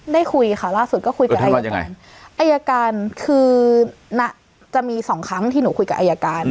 คุยค่ะล่าสุดก็คุยกับอายการอายการคือจะมีสองครั้งที่หนูคุยกับอายการ